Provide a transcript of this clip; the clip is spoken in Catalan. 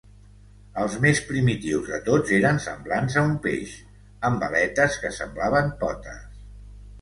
Els més primitius de tots eren semblants a un peix, amb aletes que semblaven potes.